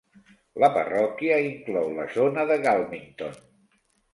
La parròquia inclou la zona de Galmington.